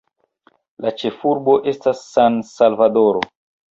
La ĉefurbo estas San-Salvadoro.